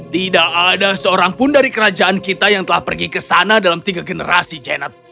tidak ada seorang pun dari kerajaan kita yang telah pergi ke sana dalam tiga generasi janet